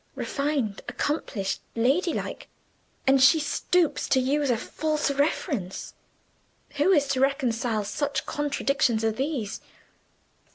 Refined, accomplished, lady like; and she stoops to use a false reference. Who is to reconcile such contradictions as these?"